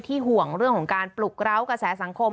ห่วงเรื่องของการปลุกร้าวกระแสสังคม